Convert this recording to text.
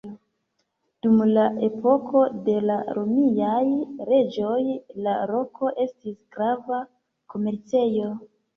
Dum la epoko de la romiaj reĝoj la loko estis grava komercejo.